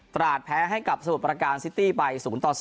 ตราดแพ้ให้กับสมุทรประการซิตี้ไป๐ต่อ๐